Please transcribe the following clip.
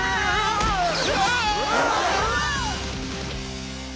うわ！